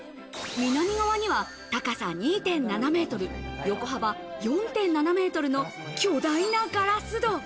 南側には高さ２．７メートル、横幅４．７メートルの巨大なガラス戸。